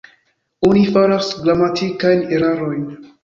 Oni faras gramatikajn erarojn.